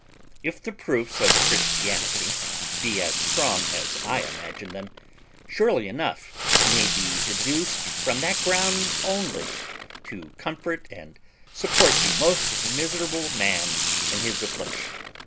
If the proofs of Christianity be as strong as I imagine them, surely enough may be deduced from that ground only, to comfort and support the most miserable man in his afflictions.